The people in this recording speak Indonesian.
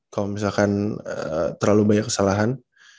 kalau misalkan terlalu banyak kesalahan